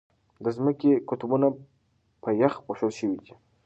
د ځمکې قطبونه په یخ پوښل شوي دي.